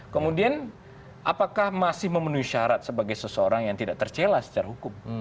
kemudian apakah masih memenuhi syarat sebagai seseorang yang tidak tercela secara hukum